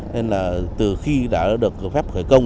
nên là từ khi đã được phép khởi công